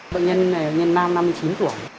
bệnh nhân là bệnh nhân nam năm mươi chín tuổi